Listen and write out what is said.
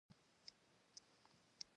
مجموعي مصارفو او پانګونې زیاتوالی.